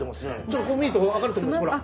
ちょっとこう見ると分かると思います。